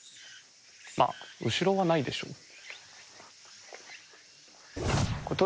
まあ後ろはないでしょう。